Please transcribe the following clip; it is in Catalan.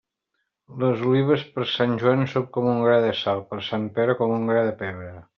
Les olives per Sant Joan són com un gra de sal; per Sant Pere, com un gra de pebre.